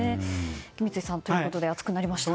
三井さん、ということで暑くなりましたが。